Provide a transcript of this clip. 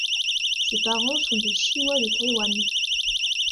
Ses parents sont des Chinois de Taïwan.